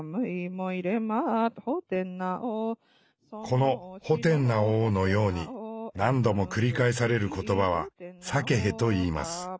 この「ホテンナオ」のように何度も繰り返される言葉は「サケヘ」といいます。